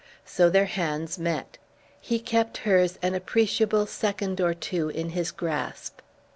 So their hands met. He kept hers an appreciable second or two in his grasp.